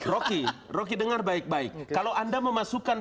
roky roky dengar baik baik kalau anda memasukkan